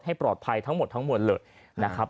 ปลอดภัยทั้งหมดทั้งมวลเลยนะครับ